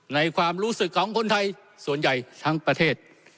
ความรู้สึกของคนไทยส่วนใหญ่ทั้งประเทศ